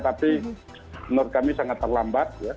tapi menurut kami sangat terlambat